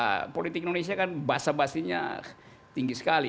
yang kadang kadang politik indonesia kan basa basinya tinggi sekali